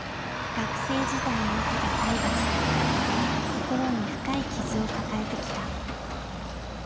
学生時代に受けた体罰で心に深い傷を抱えてきた。